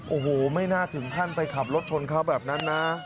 โอ้โหไม่น่าถึงขั้นไปขับรถชนเขาแบบนั้นนะ